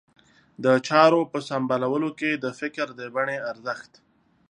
د چارو په سمبالولو کې د فکر د بڼې ارزښت.